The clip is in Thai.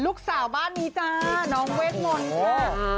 ลูกสาวบ้านนี้จ้าน้องเวทมนต์ค่ะ